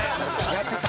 やってた。